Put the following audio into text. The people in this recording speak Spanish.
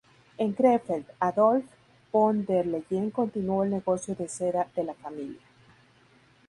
En Krefeld, Adolf von der Leyen continuó el negocio de seda de la familia.